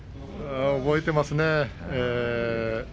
覚えていますね。